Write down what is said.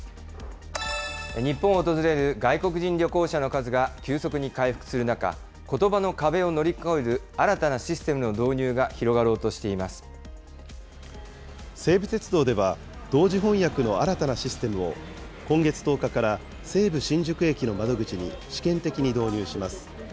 日本を訪れる外国人旅行者の数が急速に回復する中、ことばの壁を乗り越える新たなシステムの導入が広がろうとしてい西武鉄道では、同時翻訳の新たなシステムを、今月１０日から西武新宿駅の窓口に試験的に導入します。